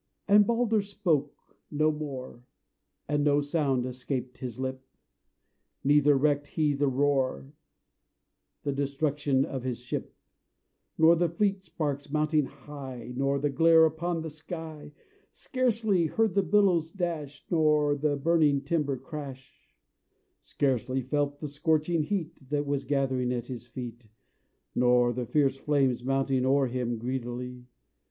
And Balder spoke no more, And no sound escaped his lip; Neither recked he of the roar, The destruction of his ship, Nor the fleet sparks mounting high, Nor the glare upon the sky; Scarcely heard the billows dash, Nor the burning timber crash: Scarcely felt the scorching heat That was gathering at his feet, Nor the fierce flames mounting o'er him Greedily.